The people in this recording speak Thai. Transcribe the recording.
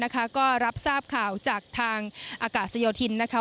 ก็รับทราบข่าวจากทางอากาศโยธินนะคะ